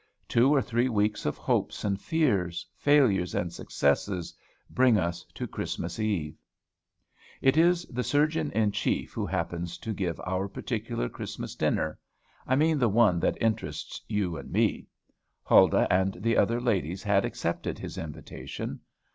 Two or three weeks of hopes and fears, failures and success, bring us to Christmas eve. It is the surgeon in chief, who happens to give our particular Christmas dinner, I mean the one that interests you and me. Huldah and the other ladies had accepted his invitation.